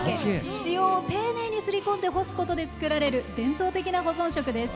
汐を丁寧にすり込んで干すことで作られる伝統的な保存食です。